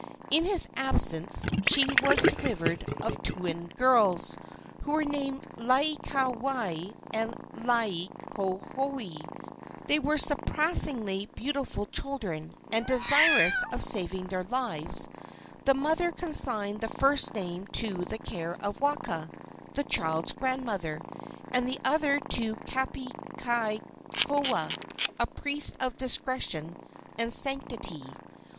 In his absence she was delivered of twin girls, who were named Laieikawai and Laielohelohe. They were surpassingly beautiful children, and, desirous of saving their lives, the mother consigned the first named to the care of Waka, the child's grandmother, and the other to Kapukaihaoa, a priest of discretion and sanctity.